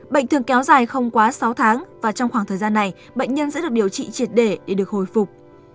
bệnh thường kéo dài không quá sáu tháng và trong khoảng thời gian này bệnh nhân sẽ được điều trị triệt để để được hồi phục